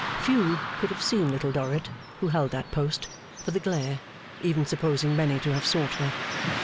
Few could have seen Little Dorrit (who held that post) for the glare, even supposing many to have sought her.